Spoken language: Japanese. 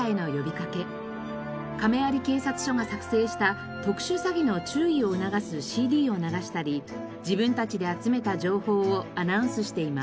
亀有警察署が作製した特殊詐欺の注意を促すＣＤを流したり自分たちで集めた情報をアナウンスしています。